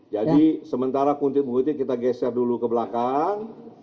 jadi sementara kuntit menguntit kita geser dulu ke belakang